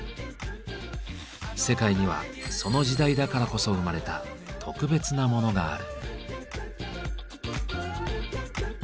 世界にはその時代だからこそ生まれた特別なモノがある。